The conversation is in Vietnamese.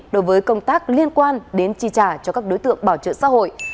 đối với công tác liên quan đến chi trả cho các đối tượng bảo trợ xã hội